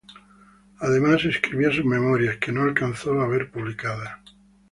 Además, escribía sus memorias, que no alcanzó a ver publicadas.